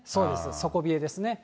底冷えですね。